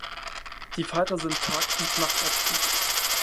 Die Falter sind tag- und nachtaktiv.